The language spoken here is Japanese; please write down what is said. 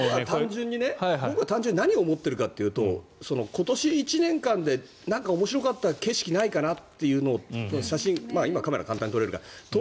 僕は単純に何を思っているかというと今年１年間で、面白かった景色ないかなっていうのを写真で今カメラで簡単に撮れるから。